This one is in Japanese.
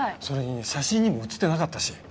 それに写真にも写ってなかったし。